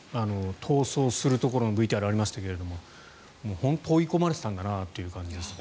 逃走するところのＶＴＲがありましたが追い込まれてたんだなという感じですね。